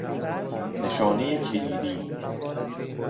نشانه کلیدی